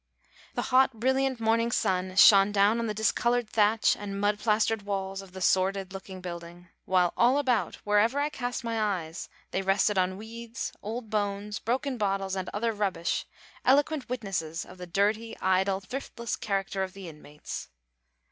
The hot, brilliant morning sunshone down on the discoloured thatch and mud plastered walls of the sordid looking building, while all about wherever I cast my eyes they rested on weeds, old bones, broken bottles, and other rubbish eloquent witnesses of the dirty, idle, thriftless character of the inmates.